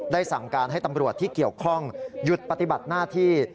สั่งการให้ตำรวจที่เกี่ยวข้องหยุดปฏิบัติหน้าที่